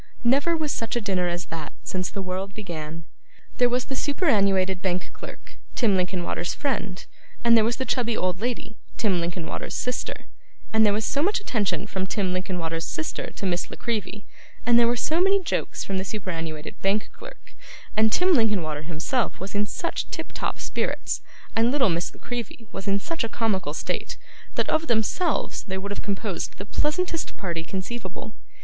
Never was such a dinner as that, since the world began. There was the superannuated bank clerk, Tim Linkinwater's friend; and there was the chubby old lady, Tim Linkinwater's sister; and there was so much attention from Tim Linkinwater's sister to Miss La Creevy, and there were so many jokes from the superannuated bank clerk, and Tim Linkinwater himself was in such tiptop spirits, and little Miss La Creevy was in such a comical state, that of themselves they would have composed the pleasantest party conceivable.